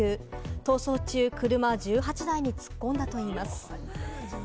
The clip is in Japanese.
逃走中、車１８台に突っ込んだといいます。